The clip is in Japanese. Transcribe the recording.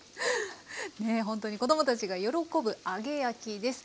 ねえほんとに子供たちが喜ぶ揚げ焼きです。